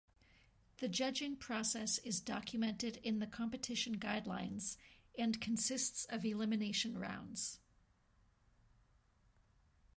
The judging process is documented in the competition guidelines and consists of elimination rounds.